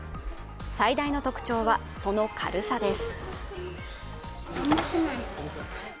最大の特徴は、その軽さです。